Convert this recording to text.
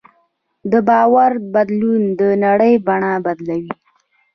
د باور بدلون د نړۍ بڼه بدلوي.